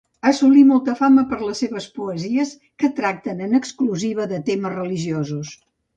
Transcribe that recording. Assolí molta fama per les seves poesies, que tracten en exclusiva de temes religiosos.